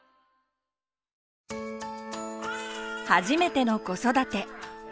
初めての子育て。